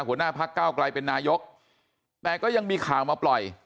หัวหน้าพักเก้าไกลเป็นนายกแต่ก็ยังมีข่าวมาปล่อย